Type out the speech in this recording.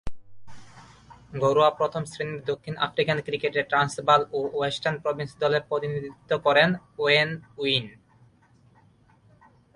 ঘরোয়া প্রথম-শ্রেণীর দক্ষিণ আফ্রিকান ক্রিকেটে ট্রান্সভাল ও ওয়েস্টার্ন প্রভিন্স দলের প্রতিনিধিত্ব করেন ওয়েন উইন।